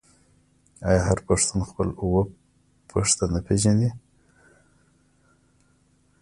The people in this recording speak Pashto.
آیا هر پښتون خپل اوه پيښته نه پیژني؟